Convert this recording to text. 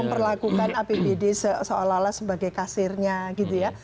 memperlakukan apbd seolah olah sebagai kasirnya gitu ya